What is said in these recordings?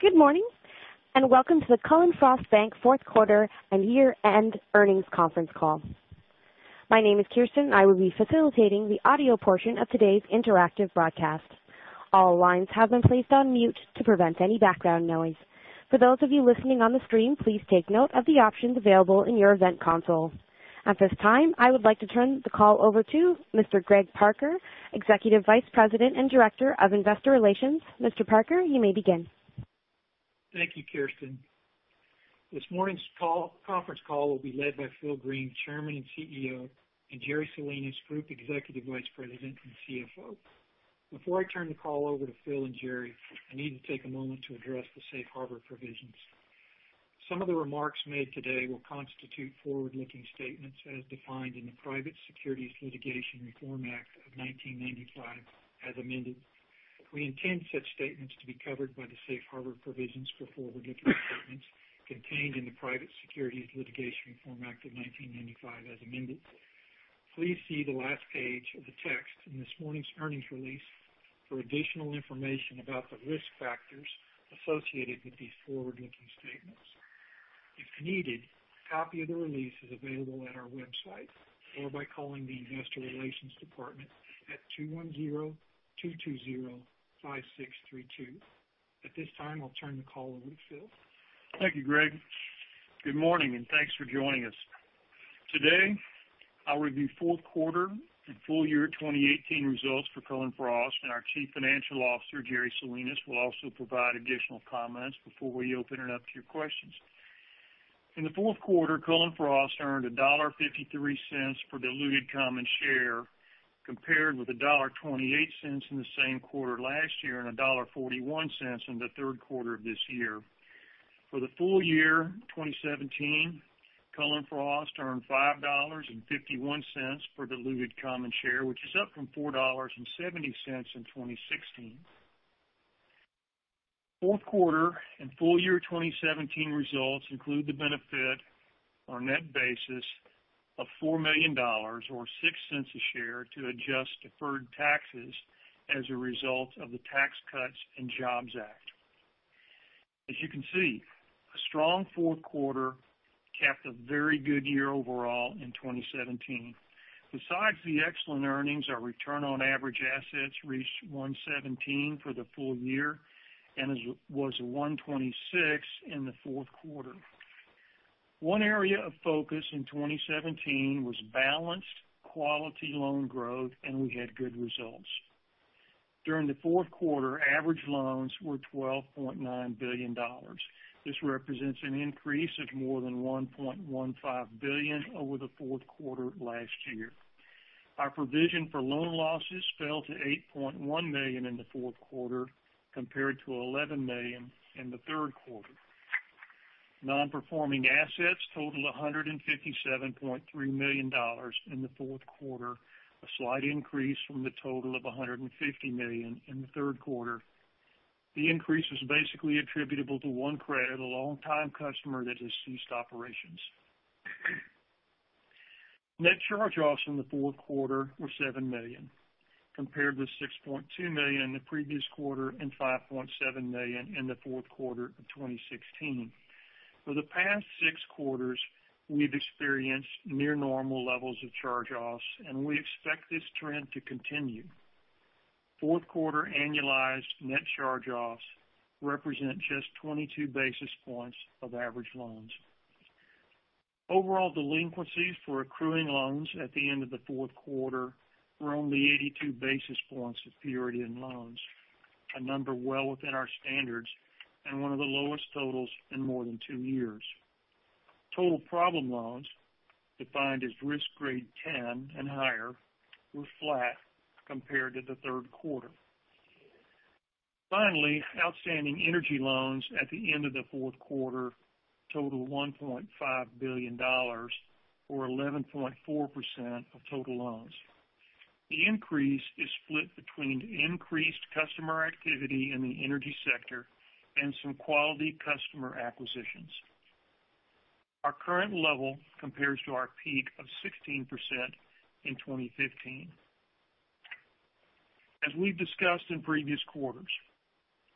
Good morning, and welcome to the Cullen/Frost Bankers fourth quarter and year-end earnings conference call. My name is Kristen, and I will be facilitating the audio portion of today's interactive broadcast. All lines have been placed on mute to prevent any background noise. For those of you listening on the stream, please take note of the options available in your event console. At this time, I would like to turn the call over to Mr. Greg Parker, Executive Vice President and Director of Investor Relations. Mr. Parker, you may begin. Thank you, Kristen. This morning's conference call will be led by Phil Green, Chairman and CEO, and Jerry Salinas, Group Executive Vice President and CFO. Before I turn the call over to Phil and Jerry, I need to take a moment to address the safe harbor provisions. Some of the remarks made today will constitute forward-looking statements as defined in the Private Securities Litigation Reform Act of 1995 as amended. We intend such statements to be covered by the safe harbor provisions for forward-looking statements contained in the Private Securities Litigation Reform Act of 1995 as amended. Please see the last page of the text in this morning's earnings release for additional information about the risk factors associated with these forward-looking statements. If needed, a copy of the release is available at our website or by calling the Investor Relations Department at 210-220-5632. At this time, I'll turn the call over to Phil. Thank you, Greg. Good morning, and thanks for joining us. Today, I'll review fourth quarter and full year 2017 results for Cullen/Frost, and our Chief Financial Officer, Jerry Salinas, will also provide additional comments before we open it up to your questions. In the fourth quarter, Cullen/Frost earned $1.53 for diluted common share, compared with $1.28 in the same quarter last year and $1.41 in the third quarter of this year. For the full year 2017, Cullen/Frost earned $5.51 per diluted common share, which is up from $4.70 in 2016. Fourth quarter and full year 2017 results include the benefit on a net basis of $4 million or $0.06 a share to adjust deferred taxes as a result of the Tax Cuts and Jobs Act. As you can see, a strong fourth quarter capped a very good year overall in 2017. Besides the excellent earnings, our return on average assets reached 117 for the full year and was 126 in the fourth quarter. One area of focus in 2017 was balanced quality loan growth, we had good results. During the fourth quarter, average loans were $12.9 billion. This represents an increase of more than $1.15 billion over the fourth quarter last year. Our provision for loan losses fell to $8.1 million in the fourth quarter, compared to $11 million in the third quarter. Non-performing assets totaled $157.3 million in the fourth quarter, a slight increase from the total of $150 million in the third quarter. The increase was basically attributable to one credit, a long-time customer that has ceased operations. Net charge-offs in the fourth quarter were $7 million, compared with $6.2 million the previous quarter and $5.7 million in the fourth quarter of 2016. For the past six quarters, we've experienced near normal levels of charge-offs, and we expect this trend to continue. Fourth quarter annualized net charge-offs represent just 22 basis points of average loans. Overall delinquencies for accruing loans at the end of the fourth quarter were only 82 basis points of period-end loans, a number well within our standards and one of the lowest totals in more than two years. Total problem loans, defined as risk grade 10 and higher, were flat compared to the third quarter. Finally, outstanding energy loans at the end of the fourth quarter totaled $1.5 billion, or 11.4% of total loans. The increase is split between increased customer activity in the energy sector and some quality customer acquisitions. Our current level compares to our peak of 16% in 2015. As we've discussed in previous quarters,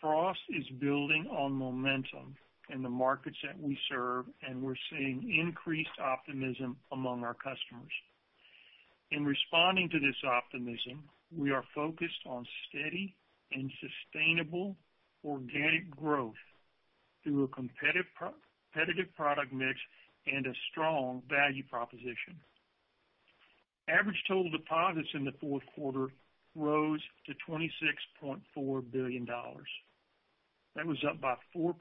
Frost is building on momentum in the markets that we serve, we're seeing increased optimism among our customers. In responding to this optimism, we are focused on steady and sustainable organic growth through a competitive product mix and a strong value proposition. Average total deposits in the fourth quarter rose to $26.4 billion. That was up by 4%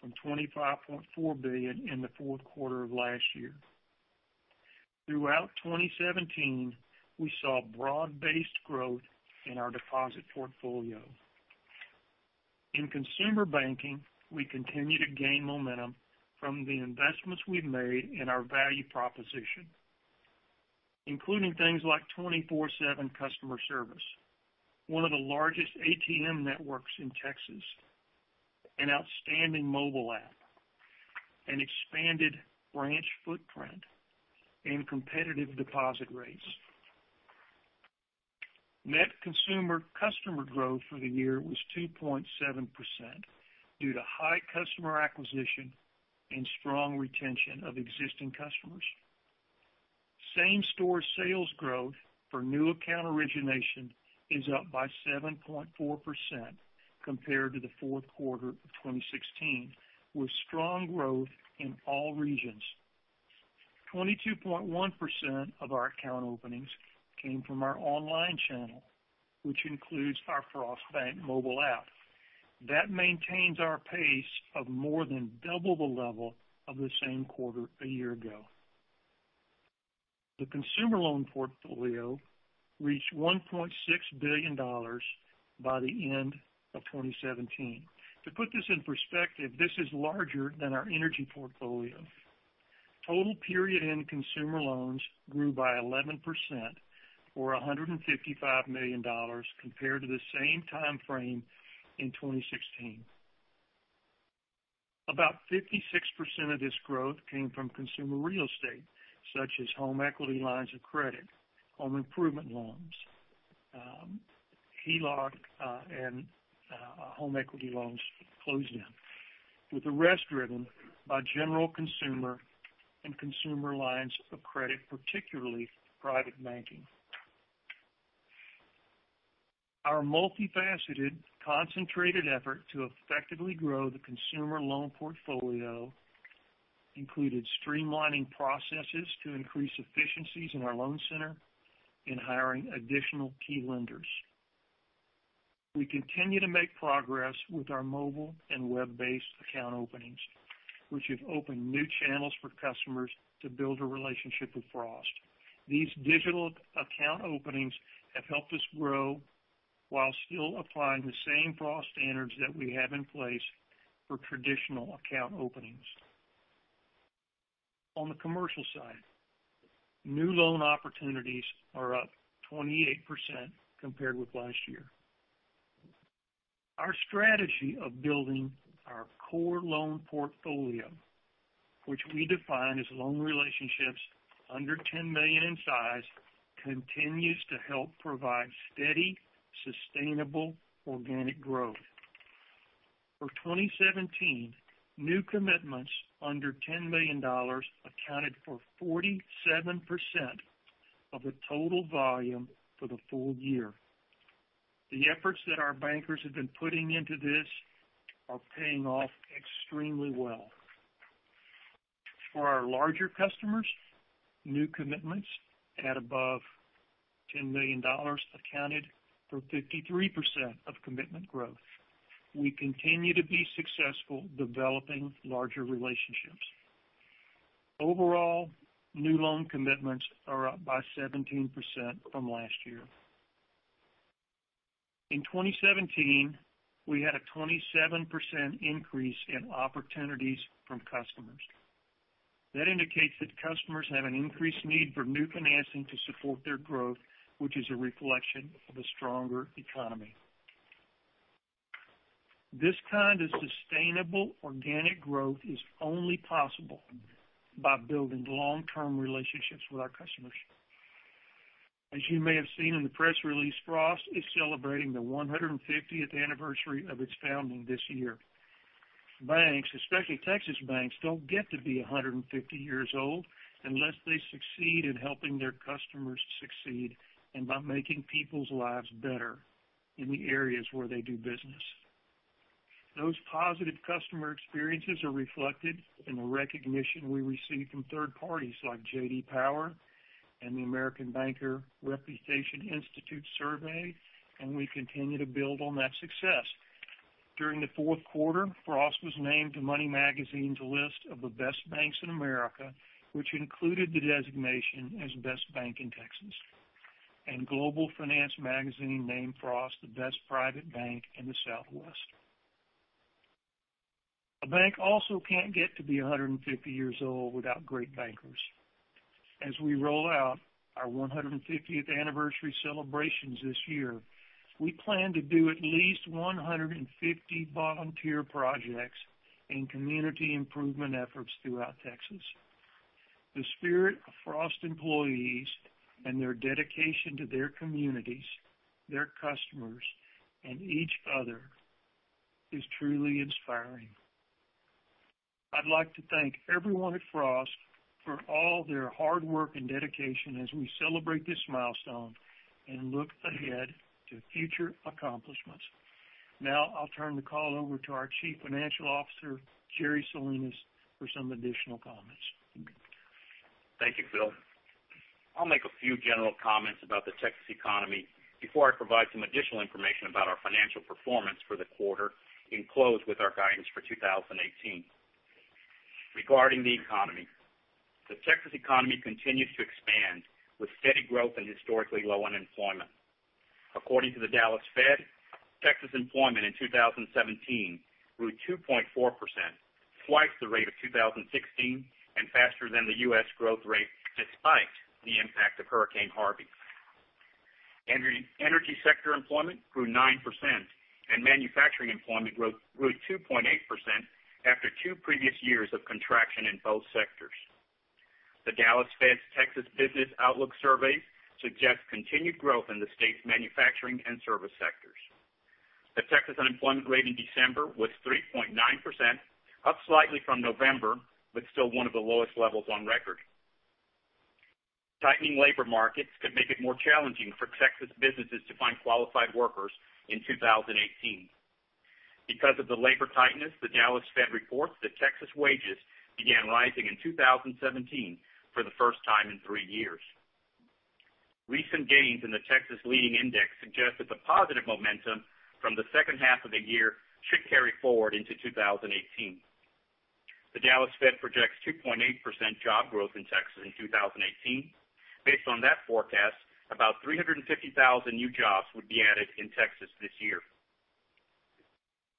from $25.4 billion in the fourth quarter of last year. Throughout 2017, we saw broad-based growth in our deposit portfolio. In consumer banking, we continue to gain momentum from the investments we've made in our value proposition, including things like 24/7 customer service, one of the largest ATM networks in Texas, an outstanding mobile app, an expanded branch footprint, and competitive deposit rates. Net consumer customer growth for the year was 2.7% due to high customer acquisition and strong retention of existing customers. Same-store sales growth for new account origination is up by 7.4% compared to the fourth quarter of 2016, with strong growth in all regions. 22.1% of our account openings came from our online channel, which includes our Frost Bank mobile app. That maintains our pace of more than double the level of the same quarter a year ago. The consumer loan portfolio reached $1.6 billion by the end of 2017. To put this in perspective, this is larger than our energy portfolio. Total period-end consumer loans grew by 11%, or $155 million, compared to the same timeframe in 2016. About 56% of this growth came from consumer real estate, such as home equity lines of credit, home improvement loans, HELOC, and home equity loans closed in, with the rest driven by general consumer and consumer lines of credit, particularly private banking. Our multifaceted, concentrated effort to effectively grow the consumer loan portfolio included streamlining processes to increase efficiencies in our loan center in hiring additional key lenders. We continue to make progress with our mobile and web-based account openings, which have opened new channels for customers to build a relationship with Frost. These digital account openings have helped us grow while still applying the same Frost standards that we have in place for traditional account openings. On the commercial side, new loan opportunities are up 28% compared with last year. Our strategy of building our core loan portfolio, which we define as loan relationships under $10 million in size, continues to help provide steady, sustainable, organic growth. For 2017, new commitments under $10 million accounted for 47% of the total volume for the full year. The efforts that our bankers have been putting into this are paying off extremely well. For our larger customers, new commitments at above $10 million accounted for 53% of commitment growth. We continue to be successful developing larger relationships. Overall, new loan commitments are up by 17% from last year. In 2017, we had a 27% increase in opportunities from customers. That indicates that customers have an increased need for new financing to support their growth, which is a reflection of a stronger economy. This kind of sustainable organic growth is only possible by building long-term relationships with our customers. As you may have seen in the press release, Frost is celebrating the 150th anniversary of its founding this year. Banks, especially Texas banks, don't get to be 150 years old unless they succeed in helping their customers succeed and by making people's lives better in the areas where they do business. Those positive customer experiences are reflected in the recognition we receive from third parties like J.D. Power and the American Banker/Reputation Institute survey. We continue to build on that success. During the fourth quarter, Frost was named to Money magazine's list of the best banks in America, which included the designation as best bank in Texas. Global Finance magazine named Frost the best private bank in the Southwest. A bank also can't get to be 150 years old without great bankers. As we roll out our 150th anniversary celebrations this year, we plan to do at least 150 volunteer projects and community improvement efforts throughout Texas. The spirit of Frost employees and their dedication to their communities, their customers, and each other is truly inspiring. I'd like to thank everyone at Frost for all their hard work and dedication as we celebrate this milestone and look ahead to future accomplishments. Now, I'll turn the call over to our Chief Financial Officer, Jerry Salinas, for some additional comments. Thank you, Phil. I'll make a few general comments about the Texas economy before I provide some additional information about our financial performance for the quarter and close with our guidance for 2018. Regarding the economy, the Texas economy continues to expand with steady growth and historically low unemployment. According to the Dallas Fed, Texas employment in 2017 grew 2.4%, twice the rate of 2016 and faster than the U.S. growth rate despite the impact of Hurricane Harvey. Energy sector employment grew 9%, and manufacturing employment grew 2.8% after two previous years of contraction in both sectors. The Dallas Fed's Texas Business Outlook Surveys suggest continued growth in the state's manufacturing and service sectors. The Texas unemployment rate in December was 3.9%, up slightly from November, but still one of the lowest levels on record. Tightening labor markets could make it more challenging for Texas businesses to find qualified workers in 2018. Because of the labor tightness, the Dallas Fed reports that Texas wages began rising in 2017 for the first time in three years. Recent gains in the Texas Leading Index suggest that the positive momentum from the second half of the year should carry forward into 2018. The Dallas Fed projects 2.8% job growth in Texas in 2018. Based on that forecast, about 350,000 new jobs would be added in Texas this year.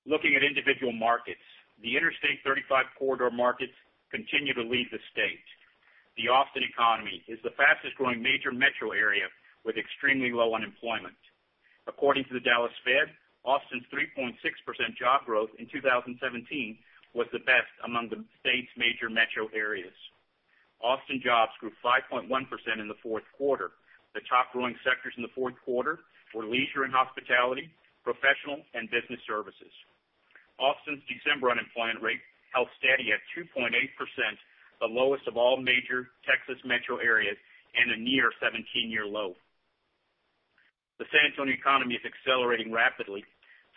Looking at individual markets, the Interstate 35 corridor markets continue to lead the state. The Austin economy is the fastest-growing major metro area with extremely low unemployment. According to the Dallas Fed, Austin's 3.6% job growth in 2017 was the best among the state's major metro areas. Austin jobs grew 5.1% in the fourth quarter. The top growing sectors in the fourth quarter were leisure and hospitality, professional and business services. Austin's December unemployment rate held steady at 2.8%, the lowest of all major Texas metro areas and a near 17-year low. The San Antonio economy is accelerating rapidly.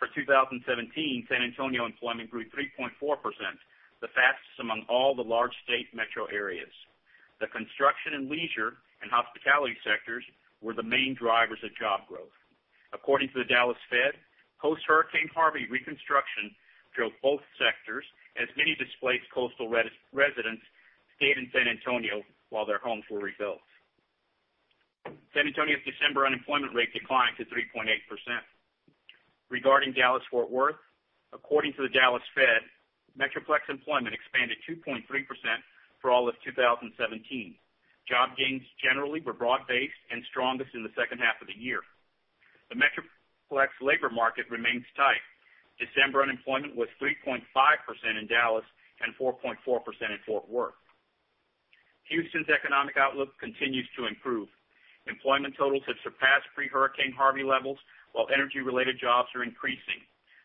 For 2017, San Antonio employment grew 3.4%, the fastest among all the large state metro areas. The construction and leisure and hospitality sectors were the main drivers of job growth. According to the Dallas Fed, post-Hurricane Harvey reconstruction drove both sectors as many displaced coastal residents stayed in San Antonio while their homes were rebuilt. San Antonio's December unemployment rate declined to 3.8%. Regarding Dallas-Fort Worth, according to the Dallas Fed, Metroplex employment expanded 2.3% for all of 2017. Job gains generally were broad-based and strongest in the second half of the year. The Metroplex labor market remains tight. December unemployment was 3.5% in Dallas and 4.4% in Fort Worth. Houston's economic outlook continues to improve. Employment totals have surpassed pre-Hurricane Harvey levels, while energy-related jobs are increasing.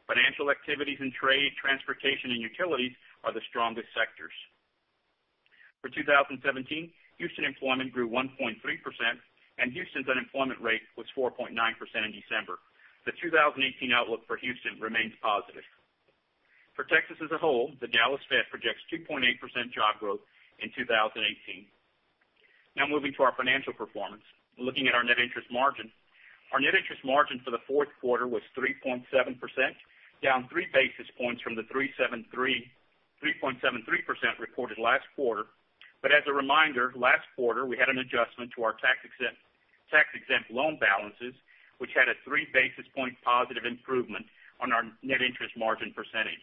Financial activities and trade, transportation, and utilities are the strongest sectors. For 2017, Houston employment grew 1.3%, and Houston's unemployment rate was 4.9% in December. The 2018 outlook for Houston remains positive. For Texas as a whole, the Dallas Fed projects 2.8% job growth in 2018. Now moving to our financial performance. Looking at our net interest margin, our net interest margin for the fourth quarter was 3.7%, down three basis points from the 3.73% reported last quarter. As a reminder, last quarter, we had an adjustment to our tax-exempt loan balances, which had a three basis point positive improvement on our net interest margin percentage.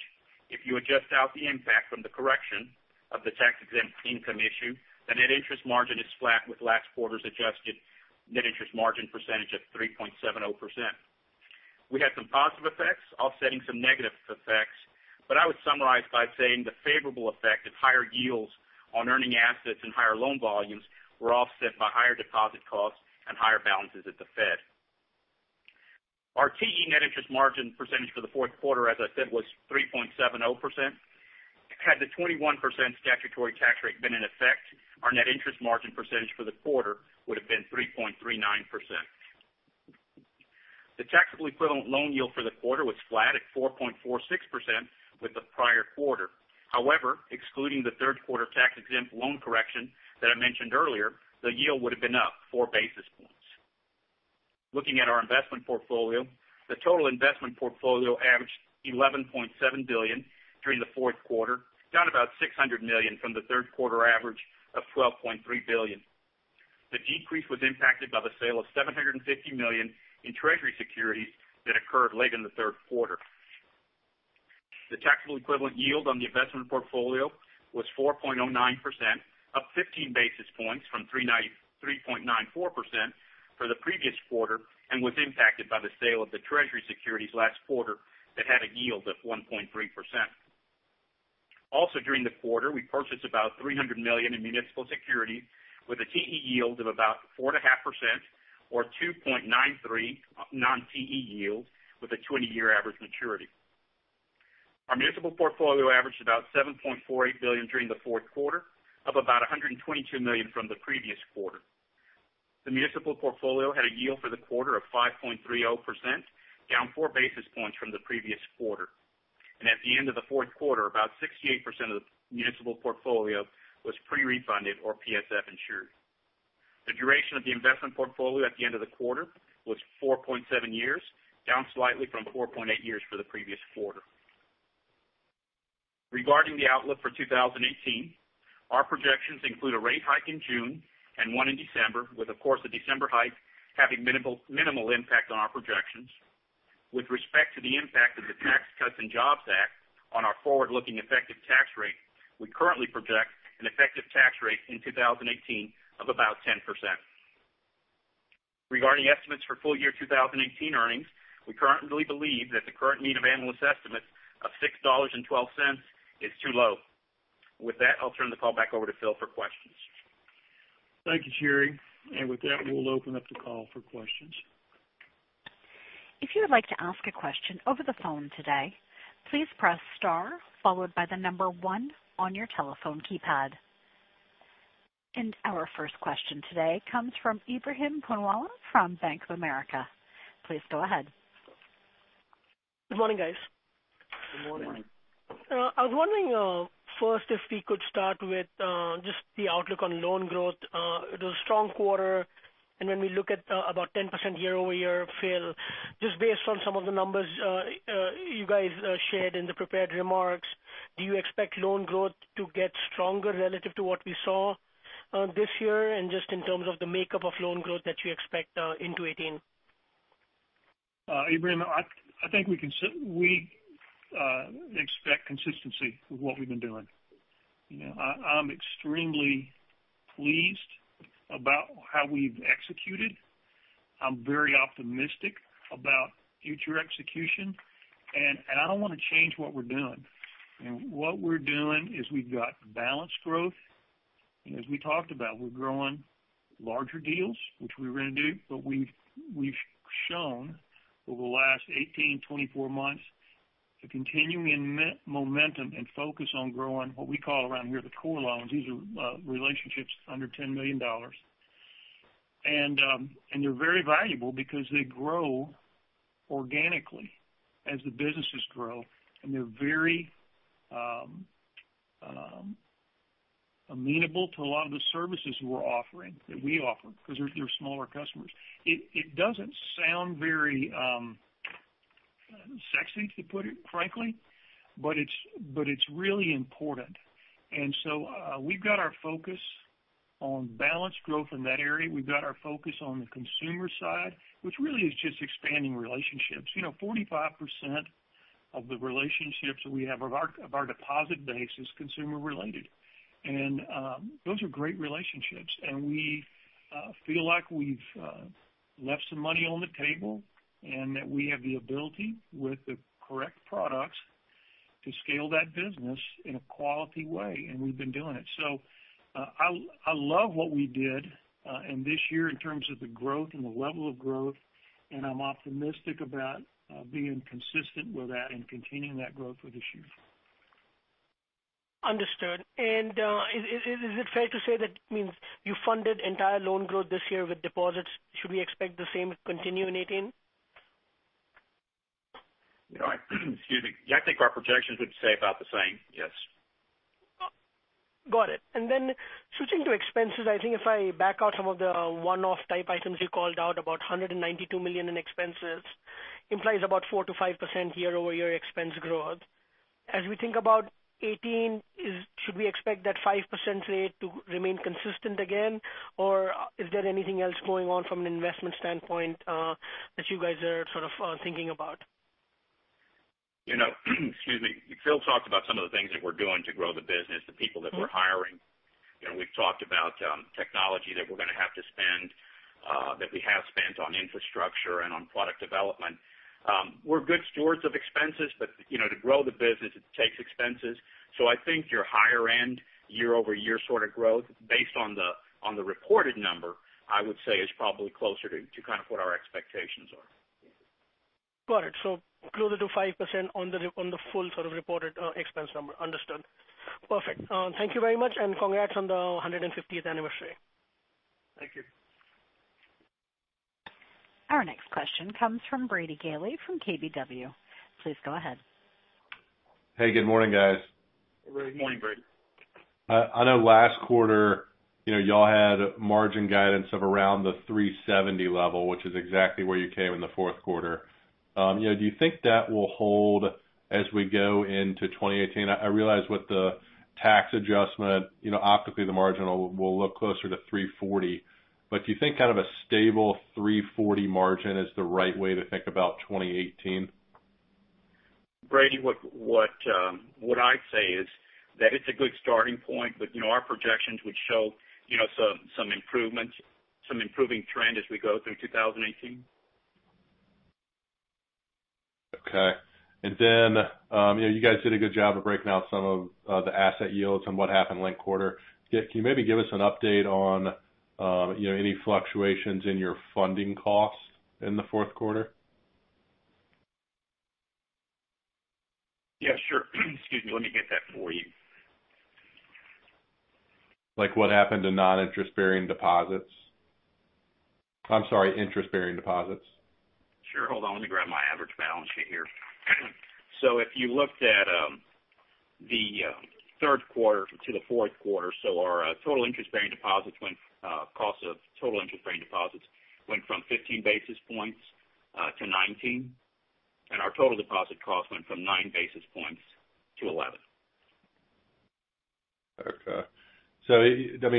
If you adjust out the impact from the correction of the tax-exempt income issue, the net interest margin is flat with last quarter's adjusted net interest margin percentage of 3.70%. We had some positive effects offsetting some negative effects. I would summarize by saying the favorable effect of higher yields on earning assets and higher loan volumes were offset by higher deposit costs and higher balances at the Fed. Our TE net interest margin percentage for the fourth quarter, as I said, was 3.70%. Had the 21% statutory tax rate been in effect, our net interest margin percentage for the quarter would've been 3.39%. The taxable equivalent loan yield for the quarter was flat at 4.46% with the prior quarter. However, excluding the third quarter tax-exempt loan correction that I mentioned earlier, the yield would've been up four basis points. Looking at our investment portfolio, the total investment portfolio averaged $11.7 billion during the fourth quarter, down about $600 million from the third quarter average of $12.3 billion. The decrease was impacted by the sale of $750 million in treasury securities that occurred late in the third quarter. The taxable equivalent yield on the investment portfolio was 4.09%, up 15 basis points from 3.94% for the previous quarter and was impacted by the sale of the treasury securities last quarter that had a yield of 1.3%. Also, during the quarter, we purchased about $300 million in municipal securities with a TE yield of about 4.5% or 2.93 non-TE yield with a 20-year average maturity. Our municipal portfolio averaged about $7.48 billion during the fourth quarter, up about $122 million from the previous quarter. The municipal portfolio had a yield for the quarter of 5.30%, down four basis points from the previous quarter. At the end of the fourth quarter, about 68% of the municipal portfolio was pre-refunded or PSF insured. The duration of the investment portfolio at the end of the quarter was 4.7 years, down slightly from 4.8 years for the previous quarter. Regarding the outlook for 2018, our projections include a rate hike in June and one in December, with of course the December hike having minimal impact on our projections. With respect to the impact of the Tax Cuts and Jobs Act on our forward-looking effective tax rate, we currently project an effective tax rate in 2018 of about 10%. Regarding estimates for full year 2018 earnings, we currently believe that the current mean of analyst estimates of $6.12 is too low. With that, I'll turn the call back over to Phil for questions. Thank you, Jerry Salinas. With that, we'll open up the call for questions. If you would like to ask a question over the phone today, please press star followed by the number one on your telephone keypad. Our first question today comes from Ebrahim Poonawala from Bank of America. Please go ahead. Good morning, guys. Good morning. Good morning. I was wondering, first if we could start with just the outlook on loan growth. It was a strong quarter, and when we look at about 10% year-over-year, Phil, just based on some of the numbers you guys shared in the prepared remarks, do you expect loan growth to get stronger relative to what we saw this year? Just in terms of the makeup of loan growth that you expect into 2018. Ebrahim, I think we expect consistency with what we've been doing. I'm extremely pleased about how we've executed. I'm very optimistic about future execution, I don't want to change what we're doing. What we're doing is we've got balanced growth, as we talked about, we're growing larger deals, which we're going to do. But we've shown over the last 18, 24 months, the continuing momentum and focus on growing what we call around here the core loans. These are relationships under $10 million. They're very valuable because they grow organically as the businesses grow, they're very amenable to a lot of the services we're offering, that we offer because they're smaller customers. It doesn't sound very sexy, to put it frankly, but it's really important. We've got our focus on balanced growth in that area. We've got our focus on the consumer side, which really is just expanding relationships. 45% of the relationships that we have of our deposit base is consumer related. Those are great relationships, we feel like we've left some money on the table, that we have the ability with the correct products to scale that business in a quality way, we've been doing it. I love what we did in this year in terms of the growth and the level of growth, I'm optimistic about being consistent with that and continuing that growth for this year. Understood. Is it fair to say that means you funded entire loan growth this year with deposits? Should we expect the same to continue in 2018? Excuse me. Yeah, I think our projections would stay about the same. Yes. Got it. Switching to expenses, I think if I back out some of the one-off type items you called out, about $192 million in expenses implies about 4%-5% year-over-year expense growth. As we think about 2018, should we expect that 5% rate to remain consistent again, or is there anything else going on from an investment standpoint that you guys are sort of thinking about? Excuse me. Phil talked about some of the things that we're doing to grow the business, the people that we're hiring. We've talked about technology that we're going to have to spend, that we have spent on infrastructure and on product development. We're good stewards of expenses, but to grow the business, it takes expenses. I think your higher-end year-over-year sort of growth based on the reported number, I would say is probably closer to kind of what our expectations are. Got it. Closer to 5% on the full sort of reported expense number. Understood. Perfect. Thank you very much, and congrats on the 150th anniversary. Thank you. Our next question comes from Brady Gailey from KBW. Please go ahead. Hey, good morning, guys. Good morning, Brady. I know last quarter, you all had margin guidance of around the 370 level, which is exactly where you came in the fourth quarter. Do you think that will hold as we go into 2018? I realize with the tax adjustment, optically the margin will look closer to 340, but do you think kind of a stable 340 margin is the right way to think about 2018? Brady, what I'd say is that it's a good starting point. Our projections would show some improvement, some improving trend as we go through 2018. Okay. You guys did a good job of breaking out some of the asset yields and what happened last quarter. Can you maybe give us an update on any fluctuations in your funding costs in the fourth quarter? Yeah, sure. Excuse me. Let me get that for you. Like what happened to non-interest-bearing deposits. I'm sorry, interest-bearing deposits. Sure. Hold on. Let me grab my average balance sheet here. If you looked at the third quarter to the fourth quarter, our cost of total interest-bearing deposits went from 15 basis points to 19, and our total deposit cost went from nine basis points to 11. Okay.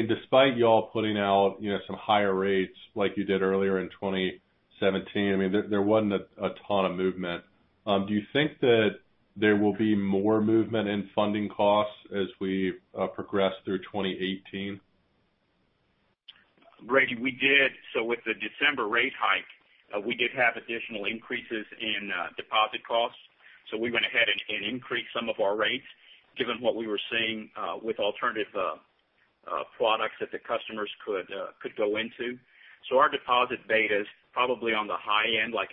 Despite you all putting out some higher rates like you did earlier in 20 2017, there wasn't a ton of movement. Do you think that there will be more movement in funding costs as we progress through 2018? Brady, with the December rate hike, we did have additional increases in deposit costs. We went ahead and increased some of our rates, given what we were seeing with alternative products that the customers could go into. Our deposit beta's probably on the high end, like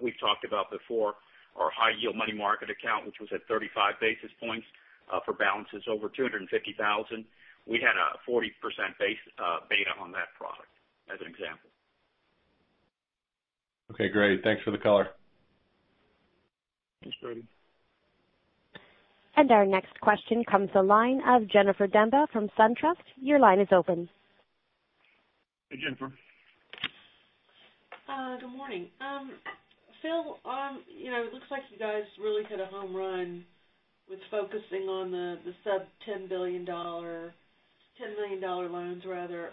we've talked about before, our high yield money market account, which was at 35 basis points for balances over $250,000. We had a 40% beta on that product as an example. Okay, great. Thanks for the color. Thanks, Brady. Our next question comes the line of Jennifer Demba from SunTrust. Your line is open. Hey, Jennifer. Good morning. Phil, it looks like you guys really hit a home run with focusing on the sub $10 billion, $10 million loans rather,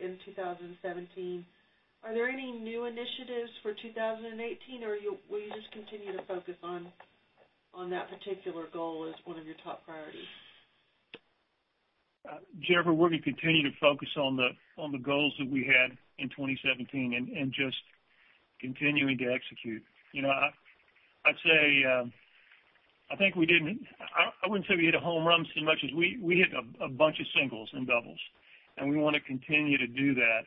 in 2017. Are there any new initiatives for 2018, or will you just continue to focus on that particular goal as one of your top priorities? Jennifer, we're going to continue to focus on the goals that we had in 2017 and just continuing to execute. I wouldn't say we hit a home run so much as we hit a bunch of singles and doubles, and we want to continue to do that.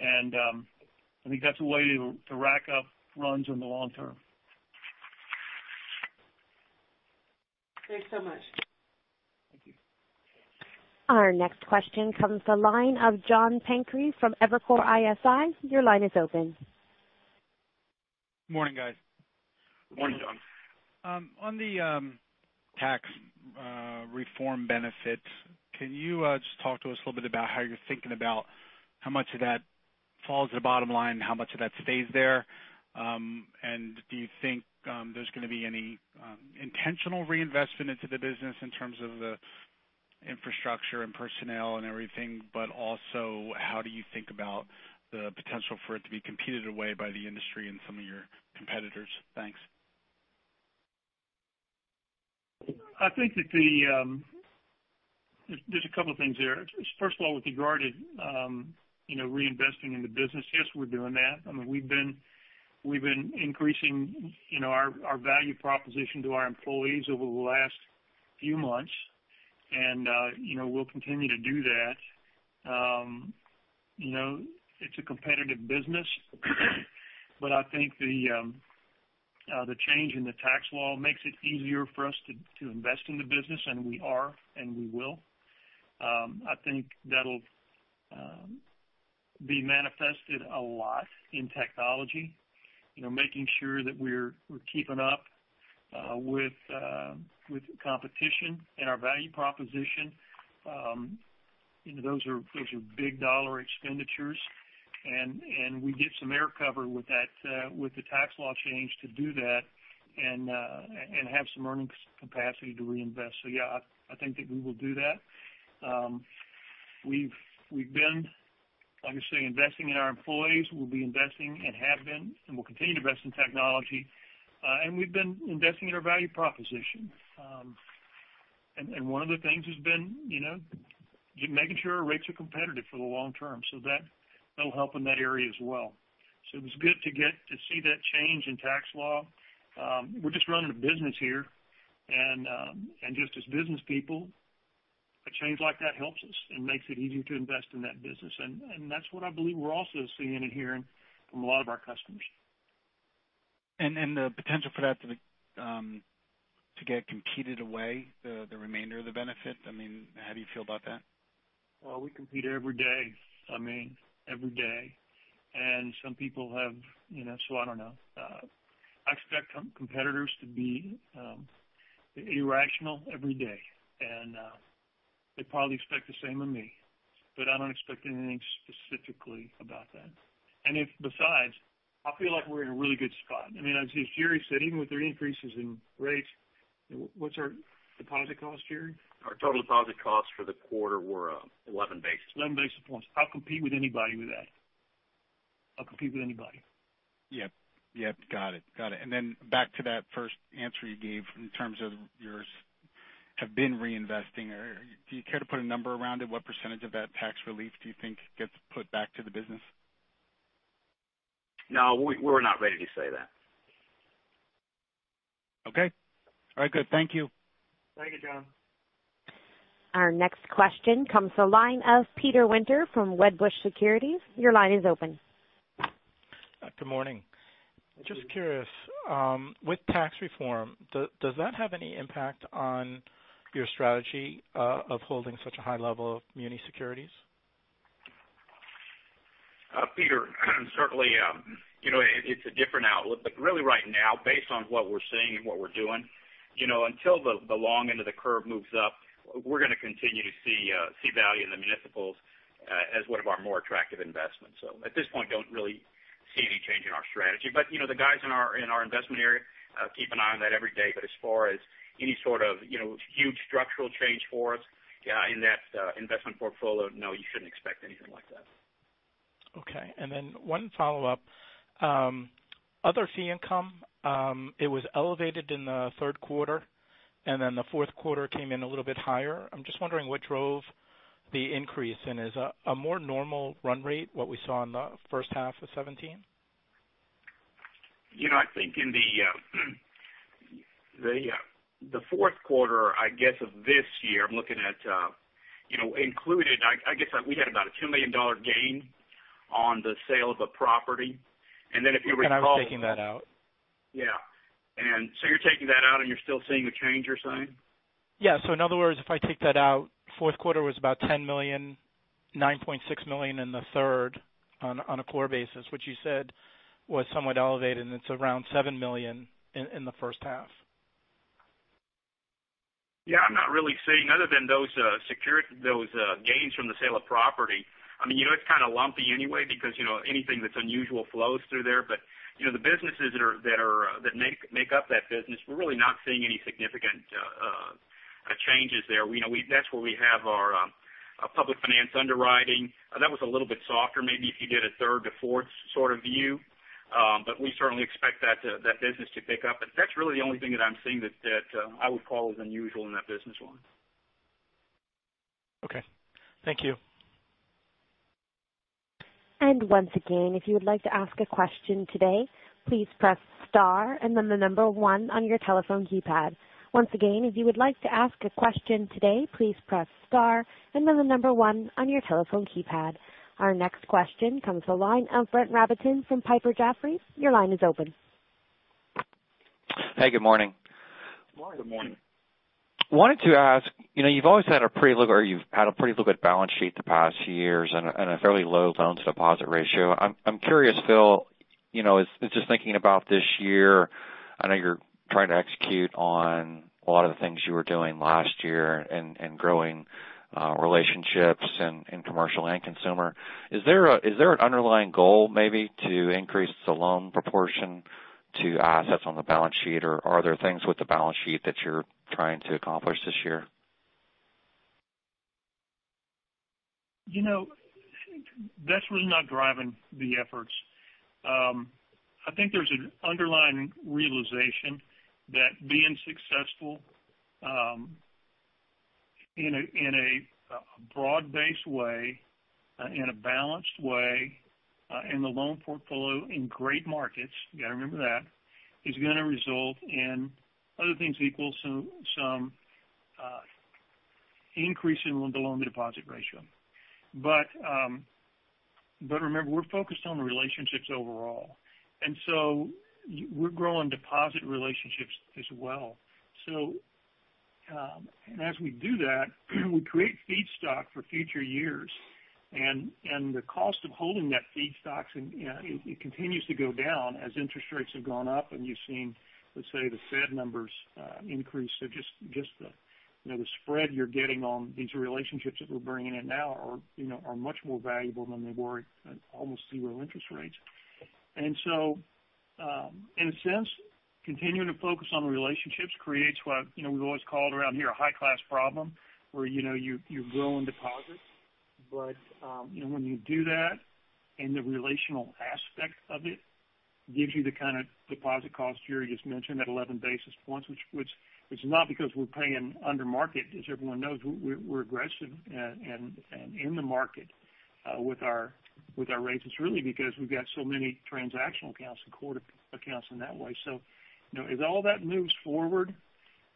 I think that's a way to rack up runs in the long term. Thanks so much. Thank you. Our next question comes the line of John Pancari from Evercore ISI. Your line is open. Morning, guys. Morning, John. On the tax reform benefit, can you just talk to us a little bit about how you're thinking about how much of that falls to the bottom line, how much of that stays there? Do you think there's going to be any intentional reinvestment into the business in terms of the infrastructure and personnel and everything, also, how do you think about the potential for it to be competed away by the industry and some of your competitors? Thanks. There's a couple of things there. First of all, with regard to reinvesting in the business, yes, we're doing that. We've been increasing our value proposition to our employees over the last few months, and we'll continue to do that. It's a competitive business, but I think the change in the tax law makes it easier for us to invest in the business, and we are, and we will. I think that'll be manifested a lot in technology, making sure that we're keeping up with competition and our value proposition. Those are big dollar expenditures, and we get some air cover with the tax law change to do that and have some earning capacity to reinvest. Yeah, I think that we will do that. We've been, like I say, investing in our employees. We'll be investing and have been, and will continue to invest in technology. We've been investing in our value proposition. One of the things has been making sure our rates are competitive for the long term, so that'll help in that area as well. It was good to get to see that change in tax law. We're just running a business here, and just as business people, a change like that helps us and makes it easier to invest in that business. That's what I believe we're also seeing and hearing from a lot of our customers. The potential for that to get competed away, the remainder of the benefit, how do you feel about that? Well, we compete every day. Every day. I don't know. I expect competitors to be irrational every day, and they probably expect the same of me. I don't expect anything specifically about that. If besides, I feel like we're in a really good spot. As Jerry Salinas said, even with their increases in rates, what's our deposit cost, Jerry Salinas? Our total deposit costs for the quarter were 11 basis points. 11 basis points. I'll compete with anybody with that. I'll compete with anybody. Yep. Got it. Back to that first answer you gave in terms of you have been reinvesting. Do you care to put a number around it? What % of that tax relief do you think gets put back to the business? No, we're not ready to say that. Okay. All right, good. Thank you. Thank you, John. Our next question comes from the line of Peter Winter from Wedbush Securities. Your line is open. Good morning. Good morning. Just curious, with tax reform, does that have any impact on your strategy of holding such a high level of muni securities? Peter, certainly, it's a different outlook, but really right now, based on what we're seeing and what we're doing, until the long end of the curve moves up, we're going to continue to see value in the municipals as one of our more attractive investments. At this point, don't really see any change in our strategy. The guys in our investment area keep an eye on that every day, but as far as any sort of huge structural change for us in that investment portfolio, no, you shouldn't expect anything like that. Okay. One follow-up. Other fee income, it was elevated in the third quarter. The fourth quarter came in a little bit higher. I'm just wondering what drove the increase. Is a more normal run rate what we saw in the first half of 2017? I think in the fourth quarter, I guess of this year, I'm looking at included, I guess we had about a $2 million gain on the sale of a property. If you recall- I was taking that out. Yeah. You're taking that out and you're still seeing the change you're saying? Yeah. In other words, if I take that out, fourth quarter was about $10 million, $9.6 million in the third on a core basis, which you said was somewhat elevated, and it's around $7 million in the first half. Yeah, I'm not really seeing, other than those gains from the sale of property. It's kind of lumpy anyway because anything that's unusual flows through there, the businesses that make up that business, we're really not seeing any significant changes there. That's where we have our public finance underwriting. That was a little bit softer, maybe if you did a third to fourth sort of view. We certainly expect that business to pick up. That's really the only thing that I'm seeing that I would call as unusual in that business line. Okay. Thank you. Once again, if you would like to ask a question today, please press star and then the number 1 on your telephone keypad. Once again, if you would like to ask a question today, please press star and then the number 1 on your telephone keypad. Our next question comes to the line of Brett Rabatin from Piper Jaffray. Your line is open. Hey, good morning. Good morning. Wanted to ask, you've had a [inaudible] bit balance sheet the past years and a fairly low loan to deposit ratio. I'm curious, Phil, just thinking about this year, I know you're trying to execute on a lot of the things you were doing last year and growing relationships in commercial and consumer. Is there an underlying goal maybe to increase the loan proportion to assets on the balance sheet, or are there things with the balance sheet that you're trying to accomplish this year? That's really not driving the efforts. I think there's an underlying realization that being successful in a broad-based way, in a balanced way, in the loan portfolio, in great markets, you got to remember that, is going to result in other things equal, some increase in the loan-to-deposit ratio. Remember, we're focused on the relationships overall, and so we're growing deposit relationships as well. As we do that, we create feedstock for future years, and the cost of holding that feedstock, it continues to go down as interest rates have gone up, and you've seen, let's say, the Fed numbers increase. Just the spread you're getting on these relationships that we're bringing in now are much more valuable than they were at almost zero interest rates. In a sense, continuing to focus on the relationships creates what we've always called around here a high-class problem, where you're growing deposits. When you do that, and the relational aspect of it gives you the kind of deposit cost Jerry just mentioned, that 11 basis points, which is not because we're paying under market, as everyone knows, we're aggressive and in the market with our rates. It's really because we've got so many transactional accounts and quarter accounts in that way. As all that moves forward,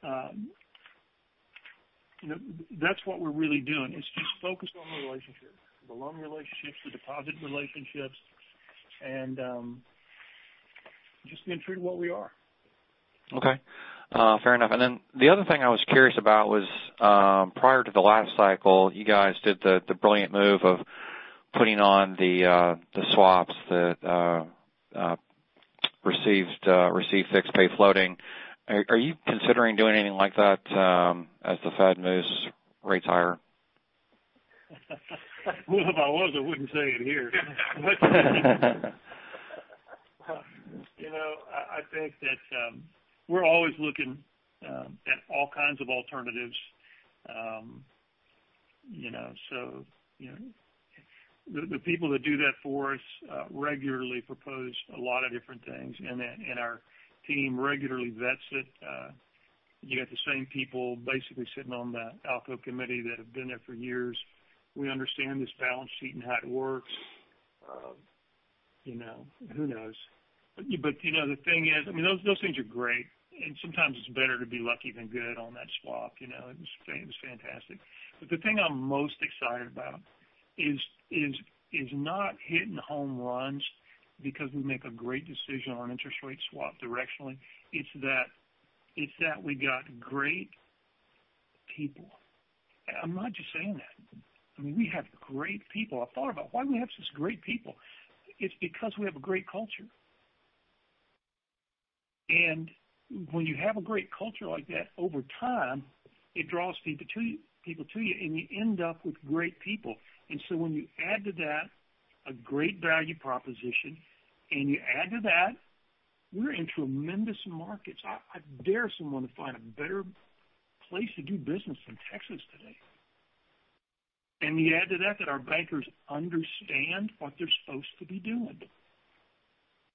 that's what we're really doing, is just focused on the relationship, the loan relationships, the deposit relationships, and just being true to what we are. Okay. Fair enough. The other thing I was curious about was, prior to the last cycle, you guys did the brilliant move of putting on the swaps that received fixed pay floating. Are you considering doing anything like that as the Fed moves rates higher? Well, if I was, I wouldn't say it here. I think that we're always looking at all kinds of alternatives. The people that do that for us regularly propose a lot of different things, and our team regularly vets it. You got the same people basically sitting on the ALCO committee that have been there for years. We understand this balance sheet and how it works. Who knows? The thing is, those things are great, and sometimes it's better to be lucky than good on that swap. It was fantastic. The thing I'm most excited about is not hitting home runs because we make a great decision on interest rate swap directionally. It's that we've got great people. I'm not just saying that. We have great people. I thought about why we have such great people. It's because we have a great culture. When you have a great culture like that, over time, it draws people to you end up with great people. When you add to that a great value proposition, you add to that We're in tremendous markets. I dare someone to find a better place to do business than Texas today. You add to that our bankers understand what they're supposed to be doing.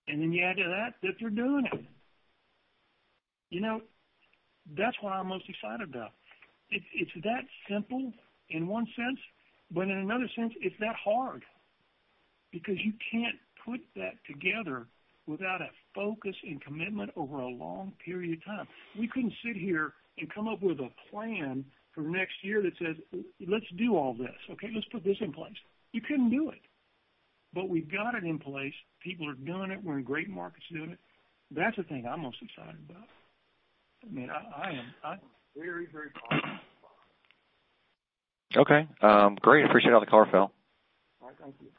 You add to that they're doing it. That's what I'm most excited about. It's that simple in one sense, but in another sense, it's that hard because you can't put that together without a focus and commitment over a long period of time. We couldn't sit here and come up with a plan for next year that says, "Let's do all this. Okay, let's put this in place." You couldn't do it. We've got it in place. People are doing it. We're in great markets doing it. That's the thing I'm most excited about. I am very, very positive about it. Okay. Great. Appreciate all the color, Phil. All right. Thank you.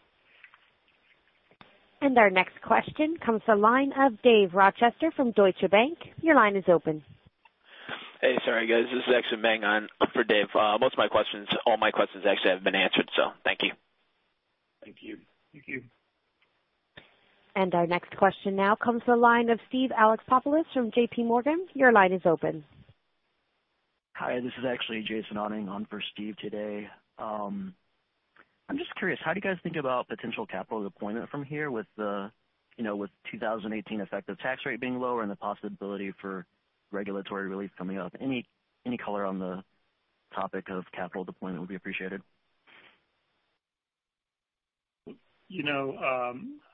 Our next question comes from the line of Dave Rochester from Deutsche Bank. Your line is open. Hey, sorry, guys. This is actually [Meng] on for Dave. Most of my questions, all my questions actually have been answered, so thank you. Thank you. Thank you. Our next question now comes to the line of Steve Alexopoulos from JP Morgan. Your line is open. Hi, this is actually Jason Oetting on for Steve today. I'm just curious, how do you guys think about potential capital deployment from here with 2018 effective tax rate being lower and the possibility for regulatory relief coming up? Any color on the topic of capital deployment would be appreciated.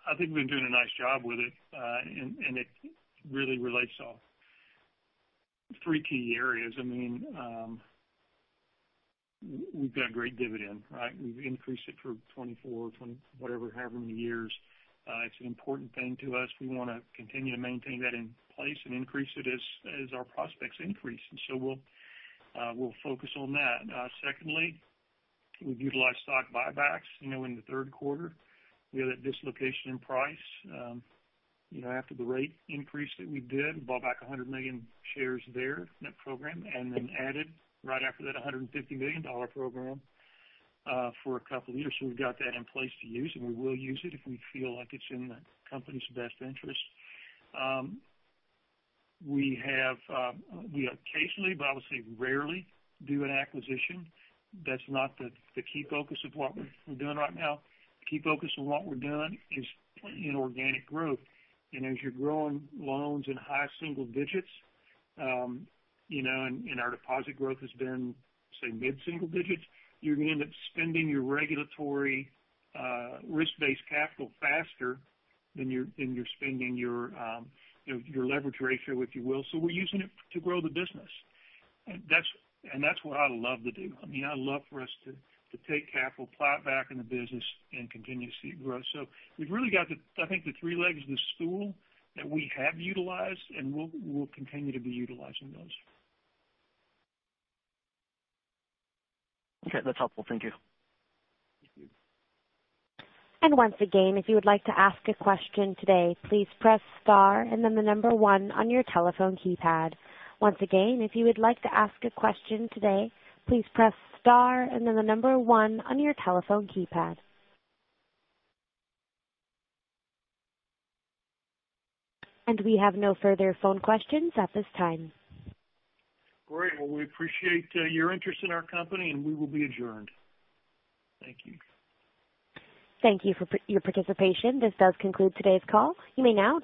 I think we've been doing a nice job with it really relates to three key areas. We've got a great dividend, right? We've increased it for 24, however many years. It's an important thing to us. We want to continue to maintain that in place and increase it as our prospects increase. We'll focus on that. Secondly, we've utilized stock buybacks in the third quarter. We had a dislocation in price. After the rate increase that we did, bought back 100 million shares there in that program, then added right after that $150 million program for a couple years. We've got that in place to use, and we will use it if we feel like it's in the company's best interest. We occasionally, but I would say rarely, do an acquisition. That's not the key focus of what we're doing right now. The key focus of what we're doing is putting in organic growth. As you're growing loans in high single digits, and our deposit growth has been, say, mid-single digits, you're going to end up spending your regulatory risk-based capital faster than you're spending your leverage ratio, if you will. We're using it to grow the business. That's what I love to do. I'd love for us to take capital, plow it back in the business, and continue to see it grow. We've really got, I think, the three legs of the stool that we have utilized, and we'll continue to be utilizing those. Okay. That's helpful. Thank you. Thank you. Once again, if you would like to ask a question today, please press star and then the number 1 on your telephone keypad. Once again, if you would like to ask a question today, please press star and then the number 1 on your telephone keypad. We have no further phone questions at this time. Great. Well, we appreciate your interest in our company, and we will be adjourned. Thank you. Thank you for your participation. This does conclude today's call. You may now disconnect your line.